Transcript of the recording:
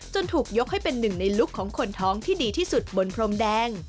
ถูกยกให้เป็นหนึ่งในลุคของคนท้องที่ดีที่สุดบนพรมแดง